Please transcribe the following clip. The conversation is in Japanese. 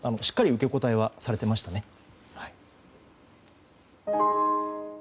しっかり受け答えはされていましたね。